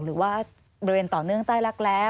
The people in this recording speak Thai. หรือว่าบริเวณต่อเนื่องใต้รักแร้